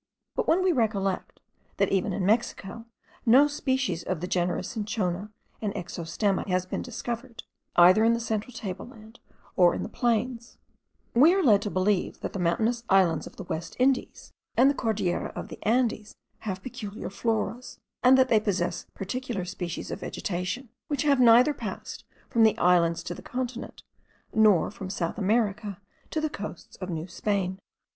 But, when we recollect, that even in Mexico no species of the genera cinchona and exostema has been discovered, either in the central table land or in the plains, we are led to believe, that the mountainous islands of the West Indies and the Cordillera of the Andes have peculiar floras; and that they possess particular species of vegetation, which have neither passed from the islands to the continent, nor from South America to the coasts of New Spain.